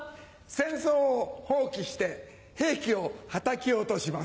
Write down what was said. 戦争をホウキして兵器をハタキ落とします。